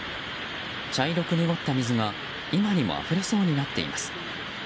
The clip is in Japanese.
茶色く濁った水が、今にもあふれそうになっています。